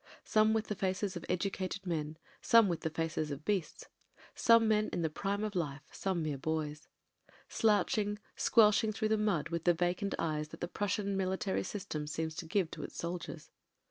Some with the faces of educated men, some with the faces of beasts; some men in the prime of life, some mere boys ; slouching, squelching through the mud with the vacant eyes that the Prussian military system seems to give to its soldiers.